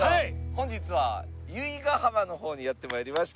本日は由比ガ浜の方にやって参りました。